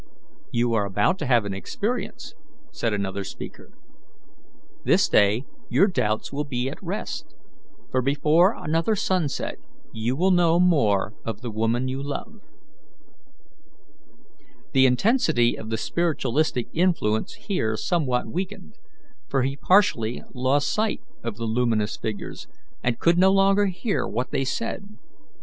"You are about to have an experience," said another speaker. "This day your doubts will be at rest, for before another sunset you will know more of the woman you love." The intensity of the spiritualistic influence here somewhat weakened, for he partially lost sight of the luminous figures, and could no longer hear what they said.